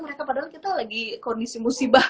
mereka padahal kita lagi kondisi musibah